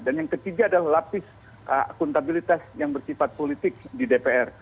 dan yang ketiga adalah lapis akuntabilitas yang bersifat politik di dpr